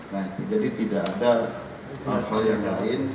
nah jadi tidak ada hal hal yang lain